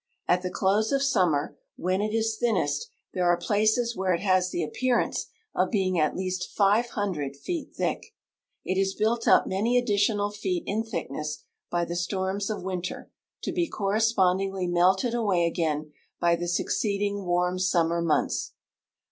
At the close of summer, when it is thinnest, there are ])laces where it has the appearance of being at least 500 feet thick. It is built up many additional feet in thickness by the storms of winter, to be correspondingly melted away again by the succeeding warm summer months.